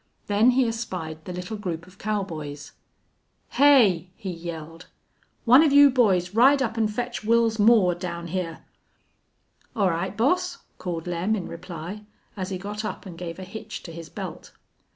Then he espied the little group of cowboys. "Hey!" he yelled. "One of you boys ride up an' fetch Wils Moore down hyar!" "All right, boss," called Lem, in reply, as he got up and gave a hitch to his belt.